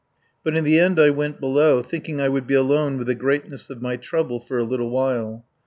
But in the end I went below, thinking I would be alone with the greatness of my trouble for a little while.